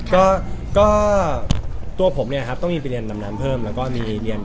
ก็ตัวผมเนี่ยต้องมีไปเรียนดำน้ำเพิ่มและก็มีเรียนครับ